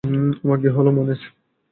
ওমা, কী হল মনের?